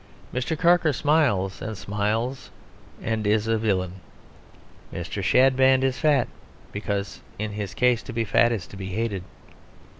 Mr. Carker smiles and smiles and is a villain; Mr. Chadband is fat because in his case to be fat is to be hated.